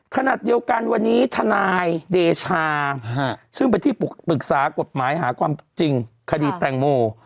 ขณะเดียวกันวันนี้ทนายเดชาซึ่งเป็นที่ปรึกษากฎหมายหาความจริงคดีแตงโม